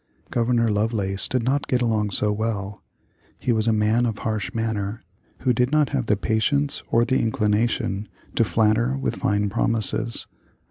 Governor Lovelace did not get along so well. He was a man of harsh manner, who did not have the patience or the inclination to flatter with fine promises.